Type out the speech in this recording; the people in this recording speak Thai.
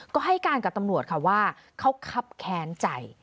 ก็ให้การกับตำรวจค่ะว่าเขาคับแค้นใจ